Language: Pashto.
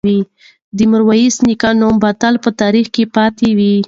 د میرویس نیکه نوم به تل په تاریخ کې پاتې وي.